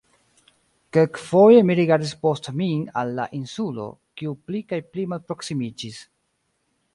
Kelkfoje mi rigardis post min al "la Insulo", kiu pli kaj pli malproksimiĝis.